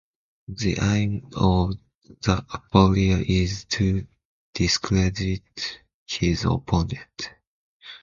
The aim of the aporia is to discredit his opponent.